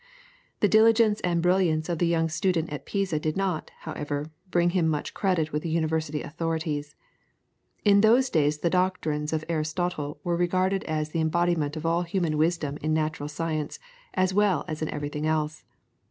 The diligence and brilliance of the young student at Pisa did not, however, bring him much credit with the University authorities. In those days the doctrines of Aristotle were regarded as the embodiment of all human wisdom in natural science as well as in everything else.